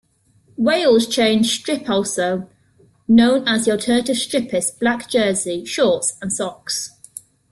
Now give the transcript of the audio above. Wales change stripalso known as the alternative stripis black jerseys, shorts and socks.